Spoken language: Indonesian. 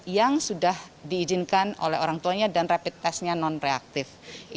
yang sudah diizinkan oleh orang tuanya dan rapid testnya non reaktif